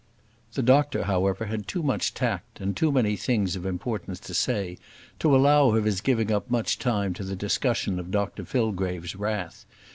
The doctor, however, had too much tact, and too many things of importance to say, to allow of his giving up much time to the discussion of Dr Fillgrave's wrath.